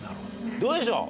どうでしょう？